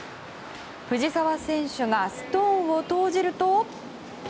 藤澤選手がストーンを投じると。